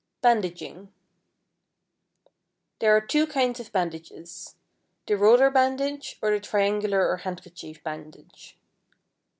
=Bandaging.= There are two kinds of bandages, the roller bandage or the triangular or handkerchief bandage.